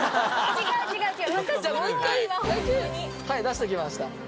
はい出しときました。